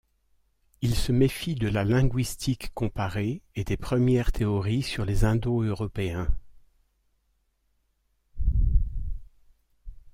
Il se méfie de la linguistique comparée et des premières théories sur les Indo-européens.